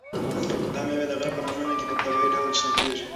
دا مېوې د غره په لمنو کې په طبیعي ډول شنه کیږي.